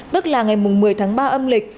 tức là ngày một mươi tháng ba âm lịch